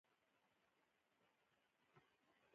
د ګلپي پاڼې د معدې لپاره وکاروئ